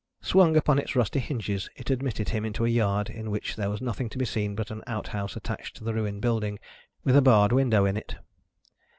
Swung upon its rusty hinges, it admitted him into a yard in which there was nothing to be seen but an outhouse attached to the ruined building, with a barred window in it.